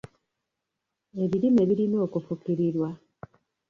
Ebirime birina okufukirirwa.